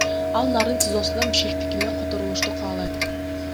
Ал Нарын ТИЗОсунан Бишкектикине которулушту каалайт.